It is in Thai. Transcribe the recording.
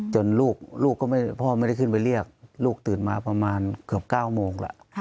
จนลูกลูกก็ไม่พ่อไม่ได้ขึ้นไปเรียกลูกตื่นมาประมาณเกือบเก้าโมงแหละ